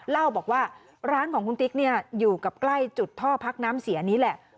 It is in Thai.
เล่าบอกว่าร้านของคุณติ๊กเนี่ยอยู่กับใกล้จุดท่อพักน้ำเสียนี้แหละ